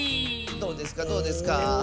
どうですかどうですか？